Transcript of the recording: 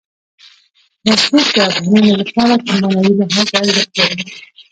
رسوب د افغانانو لپاره په معنوي لحاظ ارزښت لري.